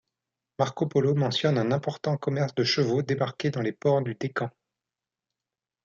Marco Polo mentionne un important commerce de chevaux débarqués dans les ports du Deccan.